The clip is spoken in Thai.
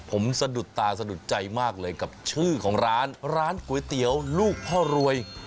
ผมสะดุดตาสะดุดใจมากเลยกับชื่อของร้านร้านก๋วยเตี๋ยวลูกพ่อรวย